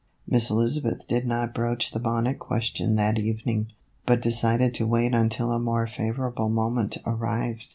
Miss Elizabeth did not broach the bonnet ques tion that evening, but decided to wait until a more favorable moment arrived.